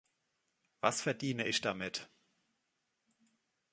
Was verdiene ich damit?